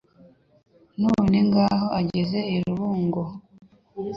None ngaho ageze i Rubungo.